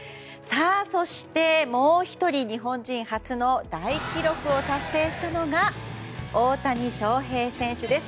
そして、もう１人日本人初の大記録を達成したのが大谷翔平選手です。